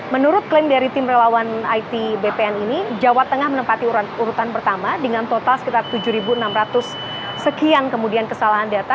menurut klaim dari tim relawan it bpn ini jawa tengah menempati urutan pertama dengan total sekitar tujuh enam ratus sekian kemudian kesalahan data